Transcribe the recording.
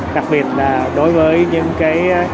đặc biệt là đối với những cái